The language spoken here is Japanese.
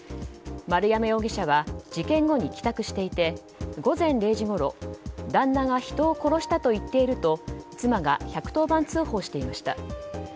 丸山容疑者は事件後に帰宅していて午前０時ごろ旦那が人を殺したと言っていると妻が１１０番通報していました。